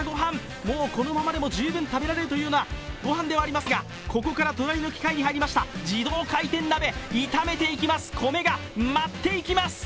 もうこのままでも十分食べられるというようなご飯でありますがここから隣の機械に入りました、自動回転鍋、米が舞っております。